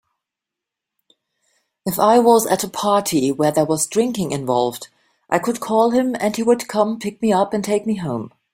If I was at a party where there was drinking involved, I could call him and he would come pick me up and take me home.